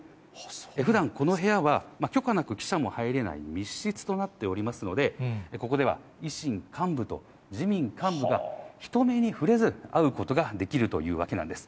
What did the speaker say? ふだんこの部屋は許可なく記者も入れない密室となっておりますので、ここでは維新幹部と自民幹部が、人目に触れず、会うことができるというわけなんです。